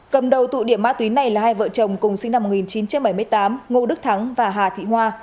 cầm đầu tụ điểm ma túy này là hai vợ chồng cùng sinh năm một nghìn chín trăm bảy mươi tám ngô đức thắng và hà thị hoa